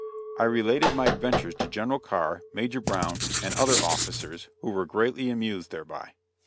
I related my adventures to General Carr, Major Brown, and other officers, who were greatly amused thereby.